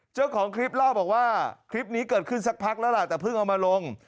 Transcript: เจ้าของคลิปเล่าบอกว่าคลิปนี้เกิดขึ้นสักพักแล้วล่ะแต่เพิ่งเอามาลง